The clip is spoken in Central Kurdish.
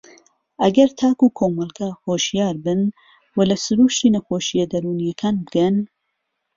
ئەگەر تاک و کۆمەڵگە هۆشیار بن و لە سرووشتی نەخۆشییە دەروونییەکان بگەن